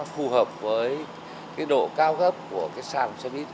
phù hợp với cái độ cao gấp của cái sàn xe buýt